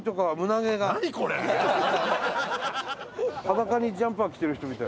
裸にジャンパー着てる人みたい。